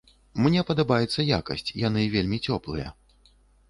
Мне падабаецца якасць, яны вельмі цёплыя.